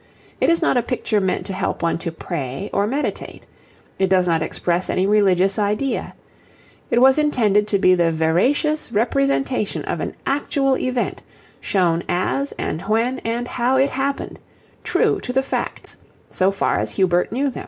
It is not a picture meant to help one to pray, or meditate. It does not express any religious idea. It was intended to be the veracious representation of an actual event, shown as, and when, and how it happened, true to the facts so far as Hubert knew them.